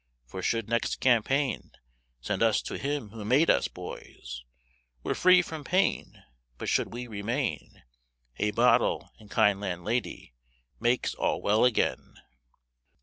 For should next campaign Send us to him who made us, boys We're free from pain: But should we remain, A bottle and kind landlady Makes all well again."